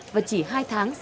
và chỉ hai tháng sau